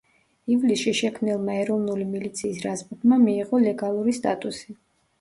ივლისში შექმნილმა ეროვნული მილიციის რაზმებმა მიიღო ლეგალური სტატუსი.